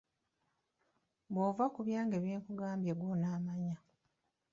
Bw'ova ku byange byenkugambye ggwe onaamanya.